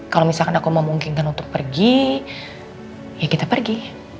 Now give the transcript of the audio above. kalau misalkan aku memungkinkan untuk pergi ya kita pergi